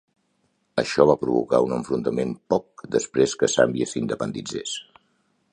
Això va provocar un enfrontament poc després que Zàmbia s'independitzés.